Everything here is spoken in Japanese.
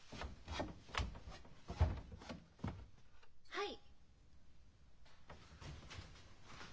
はい？